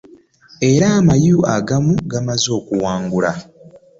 Era amayu agamu emaze okugawangula.